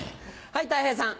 はいたい平さん。